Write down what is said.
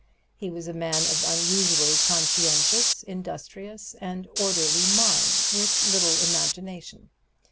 He was a man of unusually conscientious, industrious and orderly mind, with little imagination.